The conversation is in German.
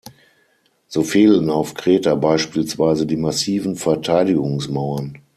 So fehlen auf Kreta beispielsweise die massiven Verteidigungsmauern.